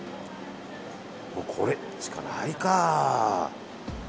これしかないか。